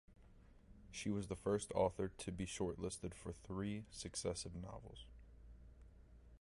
She was the first author to be shortlisted for three successive novels.